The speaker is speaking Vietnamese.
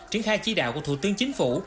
triển khai chí đạo của thủ tướng chính phủ